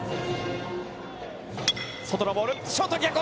外のボール。